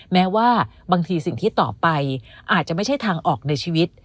แม้ว่าบางทีสิ่งที่ต่อไปอาจจะไม่ใช่ทางออกในชีวิต